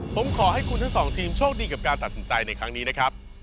ผมขอให้คุณทั้งสองทีมโชคดีกับการตัดสินใจในครั้งนี้นะครับ